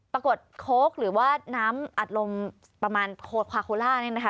ปรากฏโคคหรือว่าน้ำอัดลมประมาณโคคอลา